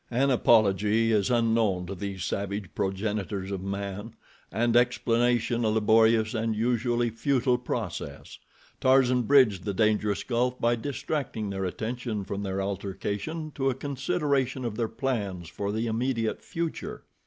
As apology is unknown to these savage progenitors of man, and explanation a laborious and usually futile process, Tarzan bridged the dangerous gulf by distracting their attention from their altercation to a consideration of their plans for the immediate future.